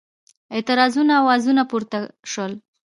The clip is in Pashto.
اعتراضونو آوازونه پورته شول.